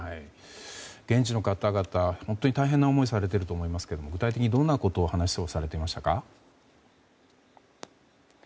現地の方々は不安な思いをされていると思いますが具体的にどんなお話をされていましたか？